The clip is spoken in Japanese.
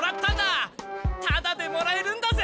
タダでもらえるんだぜ！